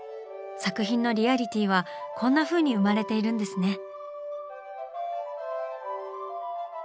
作品のリアリティーはこんなふうに生まれているんですね。